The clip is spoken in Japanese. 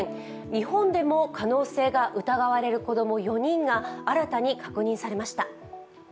日本でも可能性が疑われる子供４人が新たに確認されました。